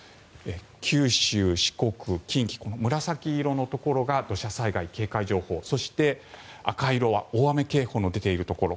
九州、四国、近畿この紫色のところが土砂災害警戒情報そして、赤色は大雨警報の出ているところ。